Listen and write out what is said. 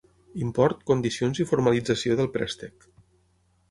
Import, condicions i formalització del préstec.